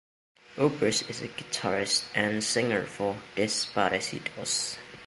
Oberst is a guitarist and singer for Desaparecidos.